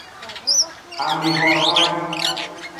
Ami hwenhwen.